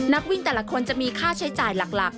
นักวิ่งแต่ละคนจะมีค่าใช้จ่ายหลัก